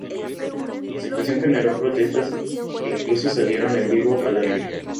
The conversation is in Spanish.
La situación generó protestas que incluso salieron en vivo al aire.